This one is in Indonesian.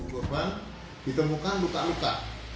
korban ditemukan luka luka